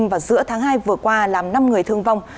vào giữa tháng hai vừa qua làm năm người thương vong